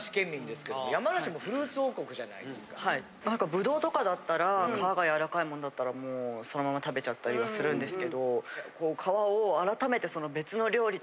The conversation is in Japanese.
ぶどうとかだったら皮がやわらかいもんだったらもうそのまま食べちゃったりはするんですけど。